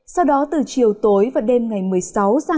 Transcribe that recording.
sau đó từ chiều vào đêm một mươi sáu một mươi hai có nơi cao hơn